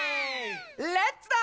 レッツだ！